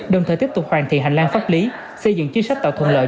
đồng thời tiếp tục hoàn thiện hành lang pháp lý xây dựng chính sách tạo thuận lợi